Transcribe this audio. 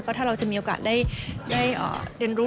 ก็ถ้าเราจะมีโอกาสได้เดินรูป